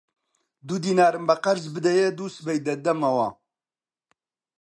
دوو دینارم بە قەرز بدەیە، دووسبەی دەتدەمەوە